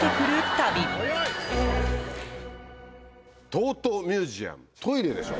「ＴＯＴＯミュージアム」トイレでしょ？